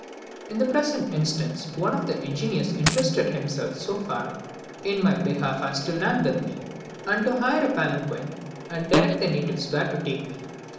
In the present instance, one of the engineers interested himself so far in my behalf as to land with me, and to hire a palanquin, and direct the natives where to take me.